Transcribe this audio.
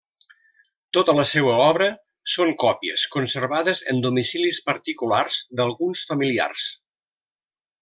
Tota la seua obra són còpies conservades en domicilis particulars d'alguns familiars.